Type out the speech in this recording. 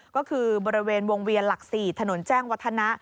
ก็คือบริเวณวงเวียนหลัก๔ถนนแจ้งวัฒนะ